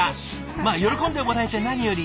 まあ喜んでもらえて何より。